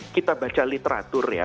kita baca literatur ya